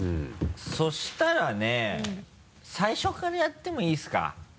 そしたらね最初からやってもいいですか？